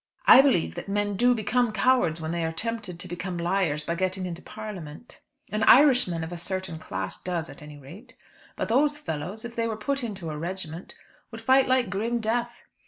"I believe that men do become cowards when they are tempted to become liars by getting into Parliament. An Irishman of a certain class does at any rate. But those fellows, if they were put into a regiment, would fight like grim death.